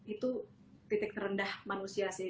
itu titik terendah manusia sih